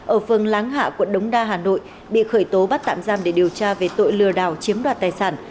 ở phương láng hạ quận đống đa hà nội bị khởi tố bắt tạm giam để điều tra về tội lừa đảo chiếm đoạt tài sản